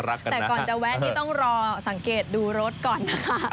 แต่ก่อนจะแวะนี่ต้องรอสังเกตดูรถก่อนนะคะ